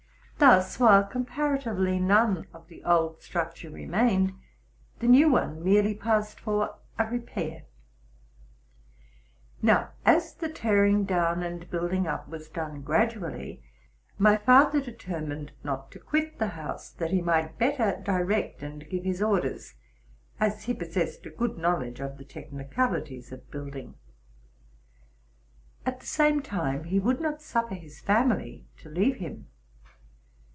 Thus, while comparatively none of the old structure remained, the new one merely passed for arepair. Now, as the tearing down and building up was done gradually, my father determined not to quit the house, that he might better direct and give his orders; as he possessed a good knowledge of the technicalities of building. At the same time, he would not suffer his family to leave him.